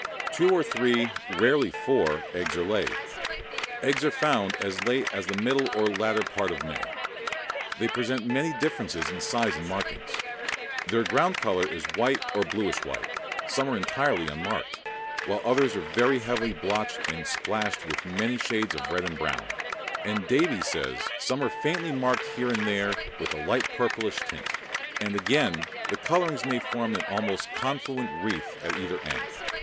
Two or three, rarely four, eggs are laid. Eggs are found as late as the middle or latter part of May. They present many differences in size and markings; their ground color is white or bluish white, some are entirely unmarked, while others are very heavily blotched and splashed with many shades of red and brown; and Davie says some are faintly marked here and there with a light purplish tint, and again the colorings may form an almost confluent wreath at either end.